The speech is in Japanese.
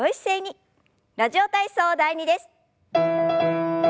「ラジオ体操第２」です。